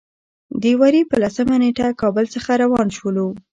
د وري په لسمه نېټه کابل څخه روان شولو.